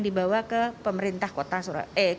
dibawa ke pemerintah kota surabaya